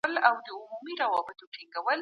هغه بدلونونه چي راغلل ډیر ژور وو.